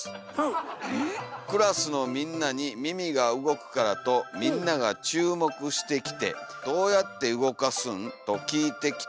「クラスのみんなに耳が動くからとみんながちゅうもくしてきて『どうやってうごかすん？』ときいてきて」。